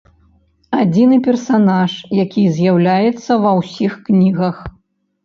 Адзіны персанаж, які з'яўляецца ва ўсіх кнігах.